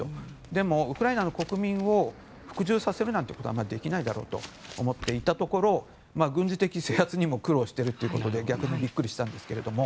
でも、ウクライナ国民を服従させることはできないだろうと思っていたところ軍事的制圧にも苦労しているということで逆にビックリしたんですが。